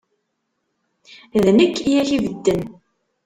D nekk i ak-ibedden.